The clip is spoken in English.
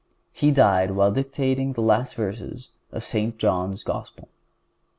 He died while dictating the last verses of St. John's Gospel.